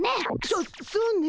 そそうね。